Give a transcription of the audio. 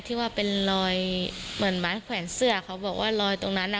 ที่ว่าเป็นรอยเหมือนไม้แขวนเสื้อเขาบอกว่ารอยตรงนั้นน่ะ